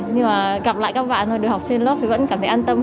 nhưng mà gặp lại các bạn thôi được học trên lớp thì vẫn cảm thấy an tâm